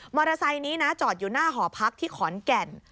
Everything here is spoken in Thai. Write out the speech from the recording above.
ไซค์นี้นะจอดอยู่หน้าหอพักที่ขอนแก่น